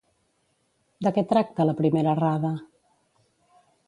De què tracta la primera errada?